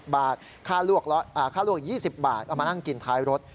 ค่าลวก๒๐บาทเอามานั่งกินท้ายรถ